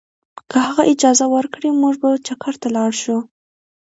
که هغه اجازه ورکړي، موږ به چکر ته لاړ شو.